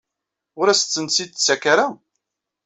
Ur asent-tt-id-tettak ara?